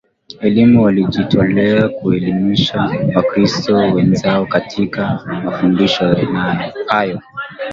elimu walijitolea kuelimisha Wakristo wenzao Katika mafundisho hayo